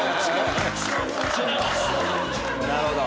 なるほど。